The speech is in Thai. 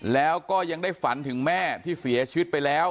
แล้วก็ยังได้ฝันถึงแม่ที่เสียชีวิตไปแล้ว